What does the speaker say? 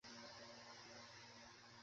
মিতা, তুমিই আমাকে সত্য বলবার জোর দিয়েছ।